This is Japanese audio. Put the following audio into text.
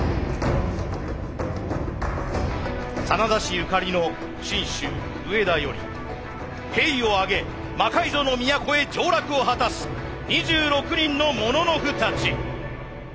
真田氏ゆかりの信州上田より兵を挙げ魔改造の都へ上洛を果たす２６人のもののふたち。